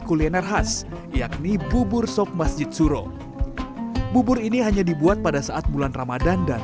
kuliner khas yakni bubur sop masjid suro bubur ini hanya dibuat pada saat bulan ramadhan dan